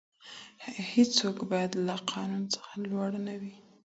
هیڅوک باید له قانون څخه لوړ نه وي.